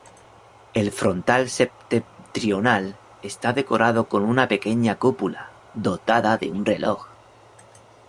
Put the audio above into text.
El frontal septentrional está decorado con una pequeña cúpula, dotada de un reloj.